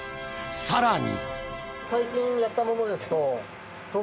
更に。